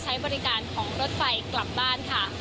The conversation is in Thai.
ใช้บริการของรถไฟกลับบ้านค่ะ